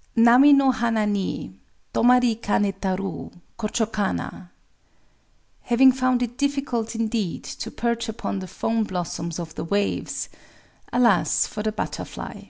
_] Nami no hana ni Tomari kanétaru, Kochō kana! [Having found it difficult indeed to perch upon the (foam ) _blossoms of the waves,—alas for the butterfly!